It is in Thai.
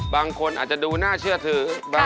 บางคนอาจจะดูน่าเชื่อถือ